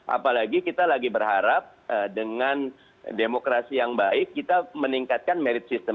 apalagi kita lagi berharap dengan demokrasi yang baik kita meningkatkan merit system